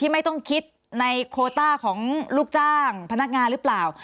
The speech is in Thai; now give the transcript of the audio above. ที่ไม่ต้องคิดในารูปสาไปของลูกจ้างพนักงานรึเปล่า